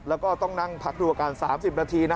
แล้วก็ต้องนั่งพักโดยการ๓๐นาที